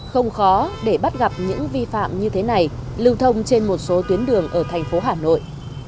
không khó để bắt gặp những vi phạm như thế này lưu thông trên một số tuyến đường ở thành phố hà nội